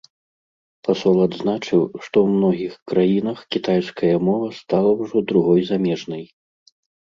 Пасол адзначыў, што ў многіх краінах кітайская мова стала ўжо другой замежнай.